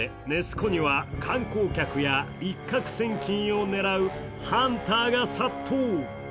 湖には観光客や一獲千金を狙うハンターが殺到。